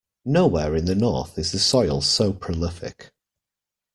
Nowhere in the North is the soil so prolific.